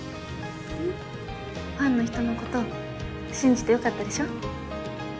ファンの人のこと信じてよかったでしょ？